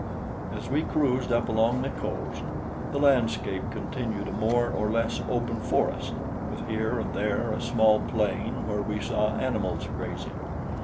As we cruised up along the coast, the landscape continued a more or less open forest, with here and there a small plain where we saw animals grazing.